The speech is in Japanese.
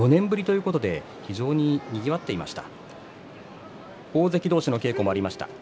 一般公開は４年ぶりということで非常に、にぎわっていました。